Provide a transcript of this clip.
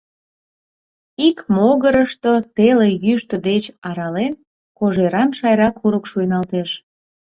Ик могырышто, теле йӱштӧ деч арален, кожеран Шайра курык шуйналтеш.